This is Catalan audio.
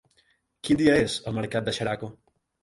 Quin dia és el mercat de Xeraco?